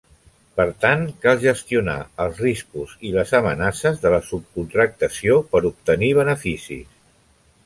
Per tant, cal gestionar els riscos i les amenaces de la subcontractació per obtenir beneficis.